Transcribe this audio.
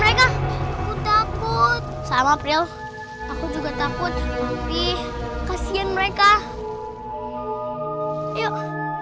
aku takut sama pria aku juga takut dikasih mereka yuk